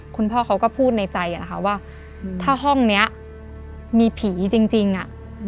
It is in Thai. คุณพ่อเขาก็พูดในใจนะคะว่าถ้าห้องนี้มีผีจริงอ่ะ